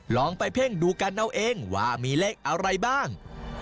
ลองไปเพ่งดูกันเอาเองว่ามีเลขอะไรบ้าง